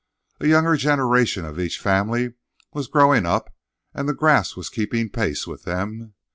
A younger generation of each family was growing up, and the grass was keeping pace with them.